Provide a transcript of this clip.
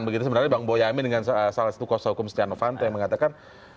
begitu sebenarnya bang boyamin dengan salah satu kuasa hukum setia novanto yang mengatakan